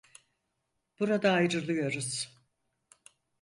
Burada ayrılıyoruz.